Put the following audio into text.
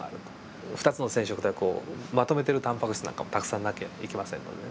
２つの染色体をまとめているタンパク質なんかもたくさんなきゃいけませんのでね。